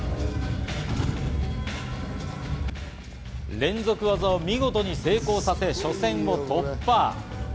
連続技を見事に成功させ、初戦を突破。